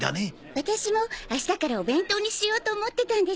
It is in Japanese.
ワタシも明日からお弁当にしようと思ってたんです。